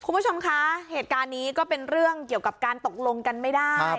คุณผู้ชมคะเหตุการณ์นี้ก็เป็นเรื่องเกี่ยวกับการตกลงกันไม่ได้